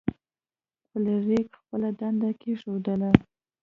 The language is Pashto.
فلیریک خپله ډنډه کیښودله.